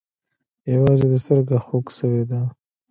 يوازې دې سترگه خوږ سوې ده.